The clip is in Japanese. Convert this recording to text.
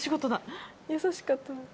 優しかったのに。